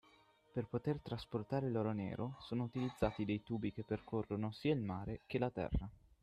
Per poter trasportare l'oro nero sono utilizzati dei tubi che percorrono sia il mare che la terra